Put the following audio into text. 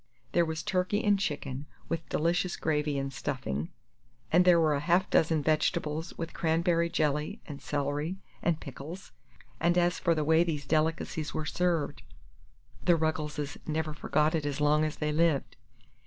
There was turkey and chicken, with delicious gravy and stuffing, and there were half a dozen vegetables, with cranberry jelly, and celery, and pickles; and as for the way these delicacies were served, the Ruggleses never forgot it as long as they lived.